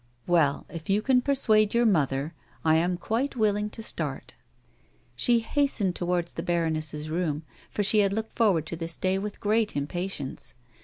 " Well, if you can persuade your mother, I am quite willing to start." •She hastened towards the baroness's room, for she had looked forward to this day with great impatience.